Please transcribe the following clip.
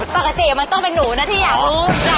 ปกติมันต้องเป็นหนูนะที่อยากรู้